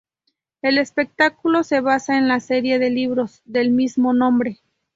El espectáculo se basa en la serie de libros del mismo nombre.